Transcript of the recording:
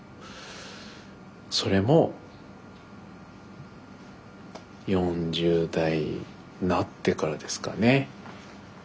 それも４０代なってからですかね。